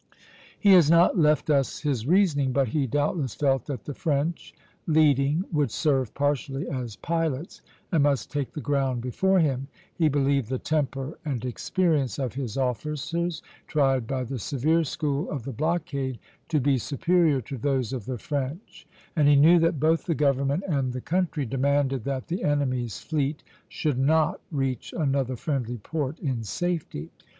He has not left us his reasoning, but he doubtless felt that the French, leading, would serve partially as pilots, and must take the ground before him; he believed the temper and experience of his officers, tried by the severe school of the blockade, to be superior to those of the French; and he knew that both the government and the country demanded that the enemy's fleet should not reach another friendly port in safety.